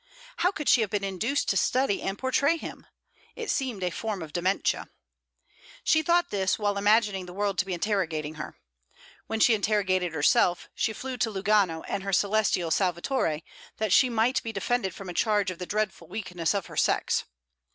How could she have been induced to study and portray him! It seemed a form of dementia. She thought this while imagining the world to be interrogating her. When she interrogated herself, she flew to Lugano and her celestial Salvatore, that she might be defended from a charge of the dreadful weakness of her sex.